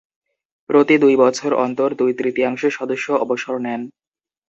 প্রতি দুই বছর অন্তর দুই-তৃতীয়াংশ সদস্য অবসর নেন।